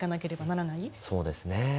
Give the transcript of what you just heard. そうですね。